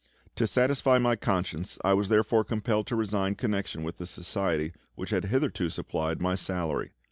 To satisfy my conscience I was therefore compelled to resign connection with the Society which had hitherto supplied my salary.